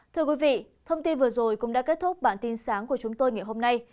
thưa quý vị thông tin vừa rồi cũng đã kết thúc bản tin sáng của chúng tôi ngày hôm nay